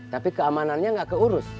tapi keamanannya gak keurus